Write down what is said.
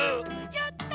やった！